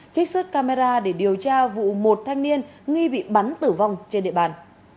trích xuất camera để điều tra vụ một thanh niên nghi bị bắn tử vong trên địa bàn